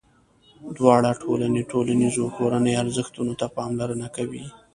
دواړه ټولنې ټولنیزو او کورنیو ارزښتونو ته پاملرنه کوي.